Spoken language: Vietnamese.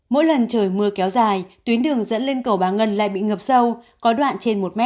mỗi lần trời mưa kéo dài tuyến đường dẫn lên cầu bà ngân lại bị ngập sâu có đoạn trên một m